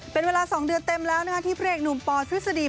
เป็นเวลา๒เดือนเต็มแล้วนะคะที่พระเอกหนุ่มปอทฤษฎี